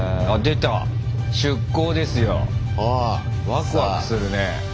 ワクワクするね。